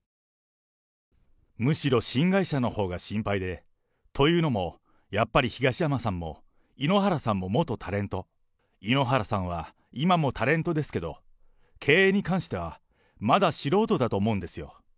むしろ新会社のほうが心配で、というのも、やっぱり東山さんも井ノ原さんも元タレント、井ノ原さんは今もタレントですけど、経営に関してはまだ素人だと思うんですよ。